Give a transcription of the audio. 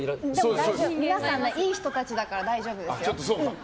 皆さん、いい人たちだから大丈夫ですよ。